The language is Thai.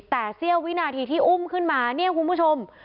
แต่เสี้ยววินาทีที่อุ้มขึ้นมาเนี่ยคุณผู้ชม